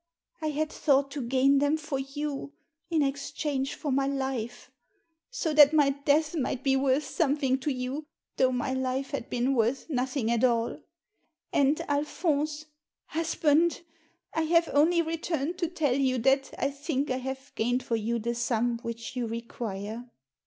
I had thought to gain them for you in exchange for my life — so that my death might be worth something to you, though my life had been worth nothing at all And, Alphonse — husband I I have only returned to tell you that I think I have gained for you the sum which you' require."